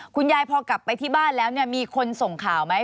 คุณยายพอกลับไปที่บ้านแล้วเนี่ยมีคนส่งข่าวไหม